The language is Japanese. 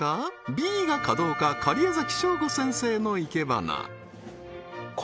Ｂが華道家假屋崎省吾先生の生け花